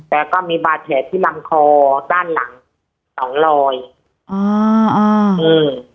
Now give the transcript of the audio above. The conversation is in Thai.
แต่ก็มีบาดแผลที่ลำคอด้านหลังสองรอยอ่าอ่าอืม